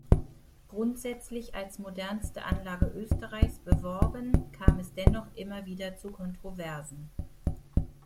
Grundsätzlich als „modernste Anlage Österreichs“ beworben kam es dennoch immer wieder zu Kontroversen.